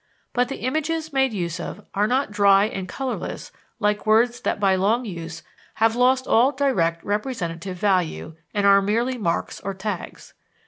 But the images made use of are not dry and colorless like words that by long use have lost all direct representative value and are merely marks or tags.